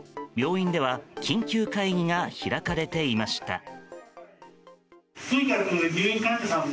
病院では緊急会議が開かれていました。